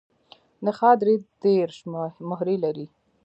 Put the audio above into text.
نخاع درې دیرش مهرې لري.